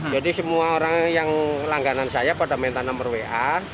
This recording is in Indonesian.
jadi semua orang yang langganan saya pada mentan nomor wa